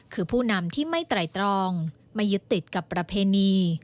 คือผู้นำที่ไม่ไตรตรองไม่ยึดติดกับประเพณี